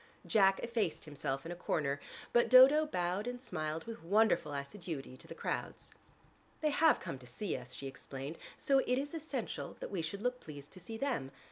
Jack effaced himself in a corner, but Dodo bowed and smiled with wonderful assiduity to the crowds. "They have come to see us," she explained. "So it is essential that we should look pleased to see them.